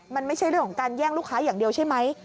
มันไม่ใช่เรื่องของการแย่งลูกค้าอย่างเดียวใช่ไหม